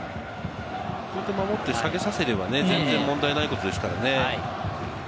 こうやって守って下げさせれば、まったく問題ないことですからね。